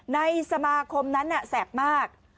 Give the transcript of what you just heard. ในสมาคมนั้นแสบมาก